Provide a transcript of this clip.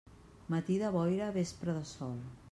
Matí de boira, vespre de sol.